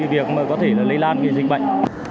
việc có thể lây lan dịch bệnh